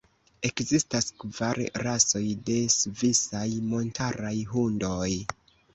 Ekzistas kvar rasoj de svisaj montaraj hundoj.